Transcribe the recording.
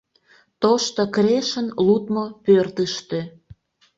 ТОШТО КРЕШЫН ЛУДМО ПӦРТЫШТӦ